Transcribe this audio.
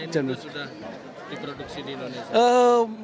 itu sudah diproduksi di indonesia